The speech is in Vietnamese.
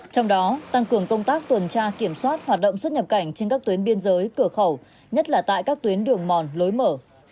trong đó tăng cường công tác tuần tra kiểm soát hoạt động xuất nhập cảnh trên các tuyến biên giới cửa khẩu nhất là tại các tuyến đường mòn lối mở